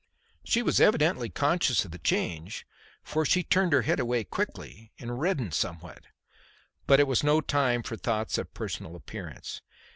She was evidently conscious of the change, for she turned her head away quickly and reddened somewhat. But it was no time for thoughts of personal appearance.